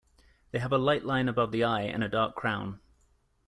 They have a light line above the eye and a dark crown.